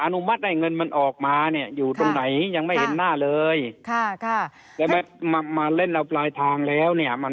อนุมัติให้เงินมันออกมาเนี่ยอยู่ตรงไหนยังไม่เห็นหน้าเลย